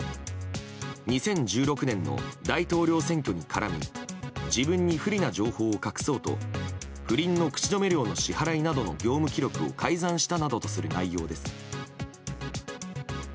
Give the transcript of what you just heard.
２０１６年の大統領選挙に絡み自分に不利な情報を隠そうと不倫の口止め料の支払いなどの業務記録を改ざんしたなどとする内容です。